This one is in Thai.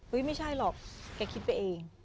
ไม่ใช่หรอกแกคิดไปเอง